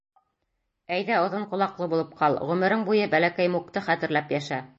Әйҙә оҙон ҡолаҡлы булып ҡал, ғүмерең буйы бәләкәй Мукты хәтерләп йәшә!